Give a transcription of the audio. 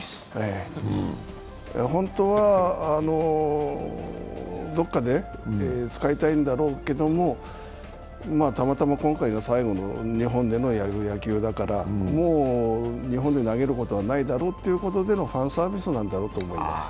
本当はどこかで使いたいんだろうけどたまたま今回が最後の日本での野球だからもう日本で投げることはないだろうということのファンサービスだと思います。